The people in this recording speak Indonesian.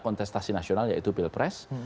kontestasi nasional yaitu pilpres